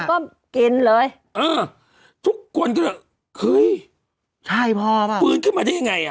ก็กินเลยเออทุกคนก็เลยเฮ้ยใช่พอป่ะฟื้นขึ้นมาได้ยังไงอ่ะ